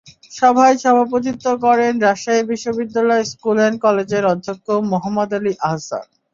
সভায় সভাপতিত্ব করেন রাজশাহী বিশ্ববিদ্যালয় স্কুল অ্যান্ড কলেজের অধ্যক্ষ মোহাম্মদ আলী আহসান।